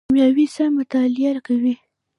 کیمیا څه مطالعه کوي؟